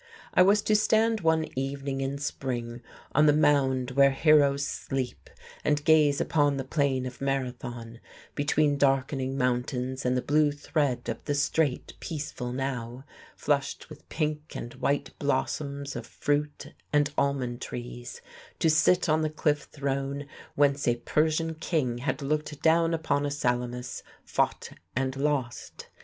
I was to stand one evening in spring on the mound where heroes sleep and gaze upon the plain of Marathon between darkening mountains and the blue thread of the strait peaceful now, flushed with pink and white blossoms of fruit and almond trees; to sit on the cliff throne whence a Persian King had looked down upon a Salamis fought and lost....